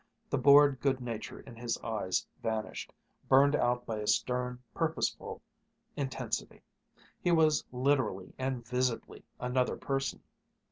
The bored good nature in his eyes vanished, burned out by a stern, purposeful intensity. He was literally and visibly another person.